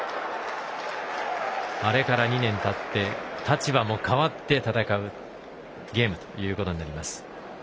あれから２年たって立場も変わって戦うゲームということになります。